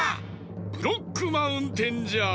ブロックマウンテンじゃ！